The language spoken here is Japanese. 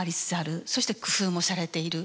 そして工夫もされている。